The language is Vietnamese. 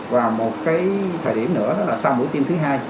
và một cái thời điểm nữa là sau mũi tiêm thứ hai